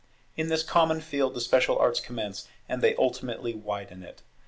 In this common field the special arts commence, and they ultimately widen it.